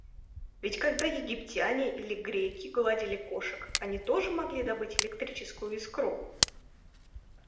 Ведь когда египтяне или греки гладили кошек, они тоже могли добыть электрическую искру.